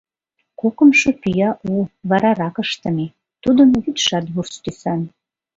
Кокымшо пӱя у, варарак ыштыме, тудын вӱдшат вурс тӱсан.